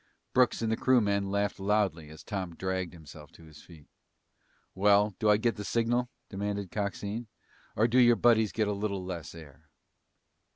Brooks and the crewmen laughed loudly as Tom dragged himself to his feet. "Well, do I get the signal?" demanded Coxine. "Or do your buddies get a little less air?"